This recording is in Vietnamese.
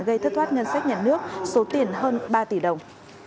gây thất thoát ngân sách nhà nước số tiền hơn ba tỷ đồng